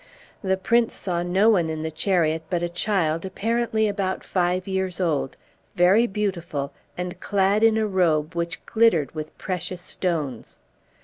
The prince saw no one in the chariot but a child apparently about five years old, very beautiful, and clad in a robe which glittered with precious stones.